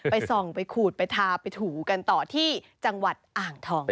ไปส่องไปขูดไปทาไปถูกันต่อที่จังหวัดอ่างทอง